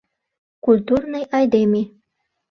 Культурный айдеме...